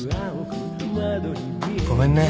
ごめんね。